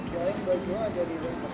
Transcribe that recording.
jalur yang jual jual jadi